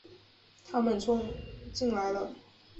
他们冲进来了